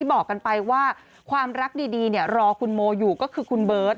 บอกกันไปว่าความรักดีรอคุณโมอยู่ก็คือคุณเบิร์ต